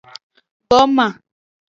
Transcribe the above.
Goma.